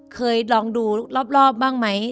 เคยลองดูรอบบ้างไหม